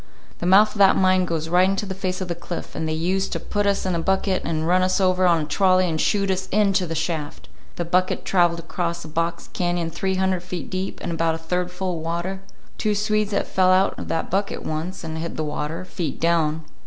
The mouth of that mine goes right into the face of the cliff, and they used to put us in a bucket and run us over on a trolley and shoot us into the shaft. The bucket traveled across a box cañon three hundred feet deep, and about a third full of water. Two Swedes had fell out of that bucket once, and hit the water, feet down.